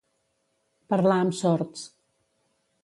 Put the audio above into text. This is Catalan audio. Parlar amb sords.